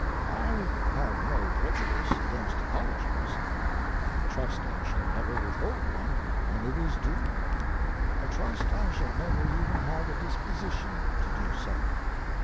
I have no prejudice against apologies. I trust I shall never withhold one when it is due; I trust I shall never even have a disposition to do so.